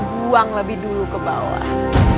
buang lebih dulu ke bawah